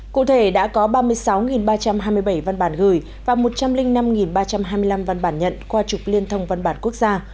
cụ thể đã có ba mươi sáu ba trăm hai mươi bảy văn bản gửi và một trăm linh năm ba trăm hai mươi năm văn bản nhận qua trục liên thông văn bản quốc gia